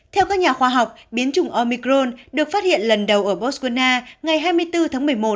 theo các nhà khoa học biến chủng omicron được phát hiện lần đầu ở botswana ngày hai mươi bốn tháng một mươi một